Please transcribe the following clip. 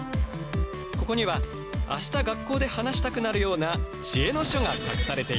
ここには明日学校で話したくなるような知恵の書が隠されている。